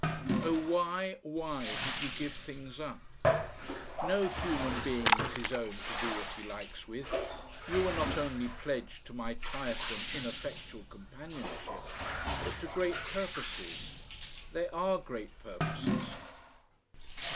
"Oh, why why did you give things up? "No human being is his own to do what he likes with. You were not only pledged to my tiresome, ineffectual companionship, but to great purposes. They ARE great purposes....